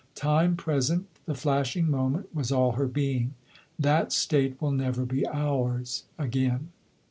Time present, the flashing moment, was all her being. That state will never be ours again.